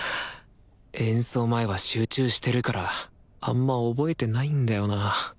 演奏前は集中してるからあんま覚えてないんだよな